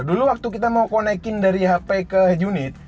dulu waktu kita mau connect in dari hp ke head unit